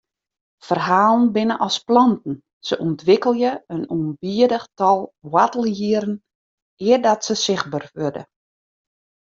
Ferhalen binne as planten, se ûntwikkelje in ûnbidich tal woartelhierren eardat se sichtber wurde.